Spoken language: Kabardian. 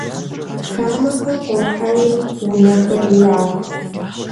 Xameher khoheri vuneher yirêxu.